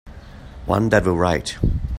One that will write.